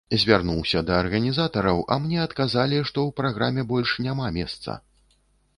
Звярнуўся да арганізатараў, а мне адказалі, што ў праграме больш няма месца.